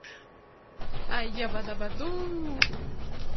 I Yabba-Dabba Do!